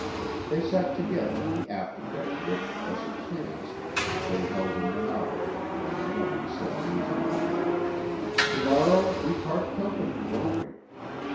They sat together on the after deck which, as it chanced, they held in monopoly and the woman said musingly: "To morrow we part company, don't we?"